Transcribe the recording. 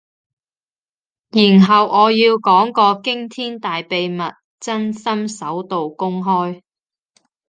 然後我要講個驚天大秘密，真心首度公開